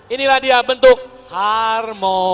inilah dia bentuk harmoni